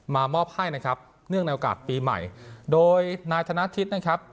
มอบให้นะครับเนื่องในโอกาสปีใหม่โดยนายธนทิศนะครับ